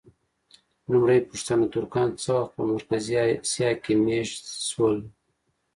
لومړۍ پوښتنه: ترکان څه وخت په مرکزي اسیا کې مېشت شول؟